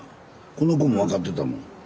この子も分かってたもん。